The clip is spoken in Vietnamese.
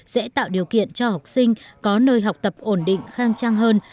sẽ tạo điều kiện cho học sinh có nơi học tập ổn định khang trang hơn